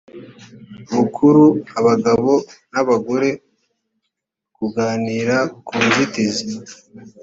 bukuru abagabo n abagore kuganira ku nzitizi